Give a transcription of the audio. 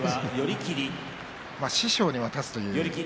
師匠に渡すという。